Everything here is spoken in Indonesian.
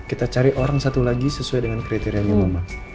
kita cari orang satu lagi sesuai dengan kriterianya mama